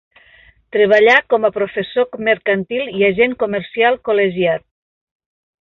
Treballà com a professor mercantil i agent comercial col·legiat.